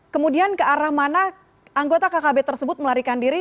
kemudian ke arah mana anggota kkb tersebut melarikan diri